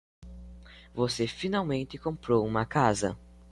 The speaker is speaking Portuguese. Você finalmente comprou uma casa.